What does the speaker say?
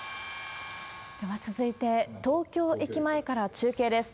では続いて、東京駅前から中継です。